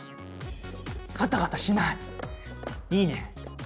いいね。